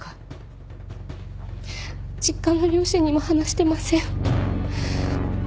実家の両親にも話してません。